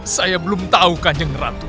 saya belum tahu kanjeng ratu